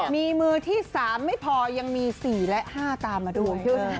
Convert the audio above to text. มีมือที่๓ไม่พอยังมี๔และ๕ตามมาด้วย